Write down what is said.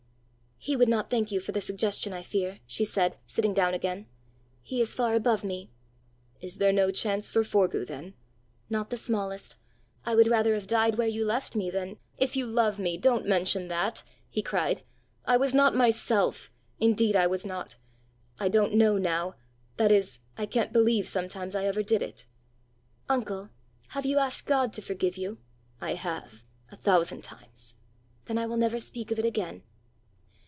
"He would not thank you for the suggestion, I fear," she said, sitting down again. "He is far above me!" "Is there no chance for Forgue then?" "Not the smallest. I would rather have died where you left me than " "If you love me, don't mention that!" he cried. "I was not myself indeed I was not! I don't know now that is, I can't believe sometimes I ever did it." "Uncle, have you asked God to forgive you!" "I have a thousand times." "Then I will never speak of it again."